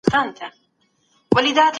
مجاهد په میدان کي د ایمان په رڼا جنګېدی.